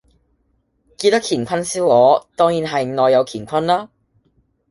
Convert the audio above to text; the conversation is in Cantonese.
叫得乾坤燒鵝，當然係內有乾坤啦